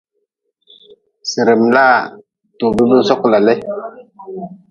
Sirm laa toob-n bi-n sokla le.